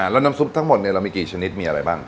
แล้วน้ำซุปทั้งหมดเรามีกี่ชนิดมีอะไรบ้าง